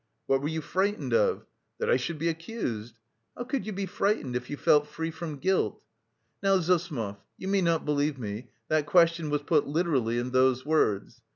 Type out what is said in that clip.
'What were you frightened of?' 'That I should be accused.' 'How could you be frightened, if you felt free from guilt?' Now, Zossimov, you may not believe me, that question was put literally in those words.